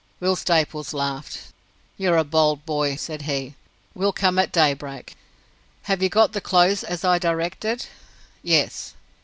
Will Staples laughed. "You're a bold boy!" said he. "We'll come at daybreak." "Have you got the clothes as I directed?" "Yes."